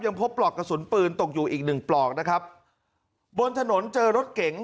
พบปลอกกระสุนปืนตกอยู่อีกหนึ่งปลอกนะครับบนถนนเจอรถเก๋ง